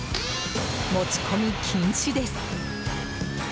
持ち込み禁止です。